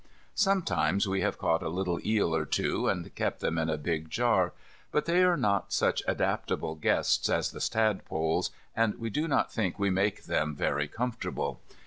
Sometimes we have caught a little eel or two, and kept them in a big jar; but they are not such adaptable guests as the tadpoles, and we do not think we make them very comfortable.